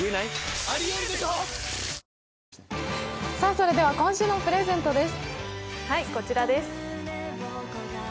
それでは今週のプレゼントです。